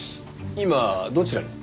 今どちらに？